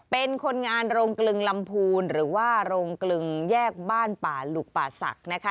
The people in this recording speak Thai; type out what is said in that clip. เป็นคนงานโรงกลึงลำพูนหรือว่าโรงกลึงแยกบ้านป่าหลุกป่าศักดิ์นะคะ